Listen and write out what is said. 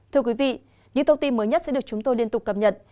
thưa quý vị những thông tin mới nhất sẽ được chúng tôi liên tục cập nhật